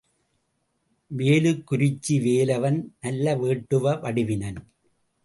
வேலுக்குரிச்சி வேலவன் நல்ல வேட்டுவ வடிவினன்.